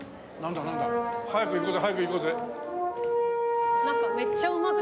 早く行こうぜ早く行こうぜ。